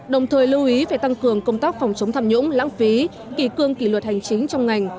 đồng thời lưu ý phải tăng cường công tác phòng chống tham nhũng lãng phí kỳ cương kỳ luật hành chính trong ngành